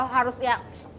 oh harus ya